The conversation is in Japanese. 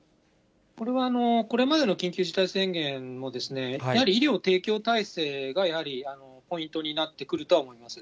これは、これまでの緊急事態宣言も、やはり医療提供体制が、やはりポイントになってくるとは思います。